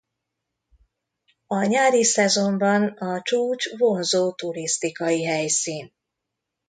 A nyári szezonban a csúcs vonzó turisztikai helyszín.